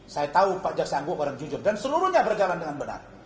saya tahu pak jaksa agung orang jujur dan seluruhnya berjalan dengan benar